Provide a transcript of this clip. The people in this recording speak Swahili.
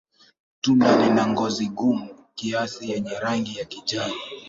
Tunda lina ngozi gumu kiasi yenye rangi ya kijani.